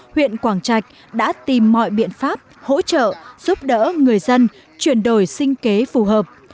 huyện quảng trạch đã tìm mọi biện pháp hỗ trợ giúp đỡ người dân chuyển đổi sinh kế phù hợp